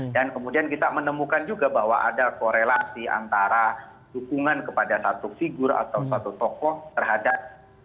dan kemudian kita menemukan juga bahwa ada korelasi antara dukungan kepada satu figur atau satu tokoh terhadap